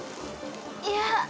いや。